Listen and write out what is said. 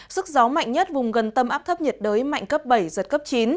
sức gió mạnh nhất vùng gần tâm áp thấp nhiệt đới mạnh cấp bảy giật cấp chín